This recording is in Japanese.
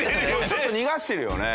ちょっと逃がしてるよね。